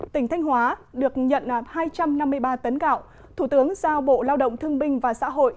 tỉnh thanh hóa được nhận hai trăm năm mươi ba tấn gạo thủ tướng giao bộ lao động thương binh và xã hội